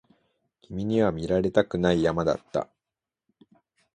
君には見られたくない山だった